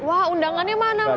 wah undangannya mana mas